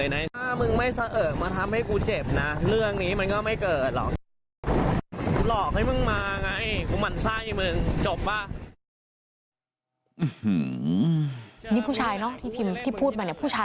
นี่ผู้ชายเนอะที่พิม